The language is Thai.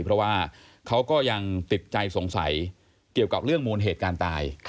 เพราะว่าเขาก็ยังติดใจสงสัยเกี่ยวกับเรื่องมูลเหตุการตาย